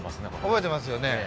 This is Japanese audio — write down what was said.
覚えてますよね。